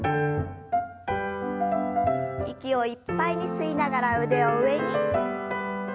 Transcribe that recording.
息をいっぱいに吸いながら腕を上に。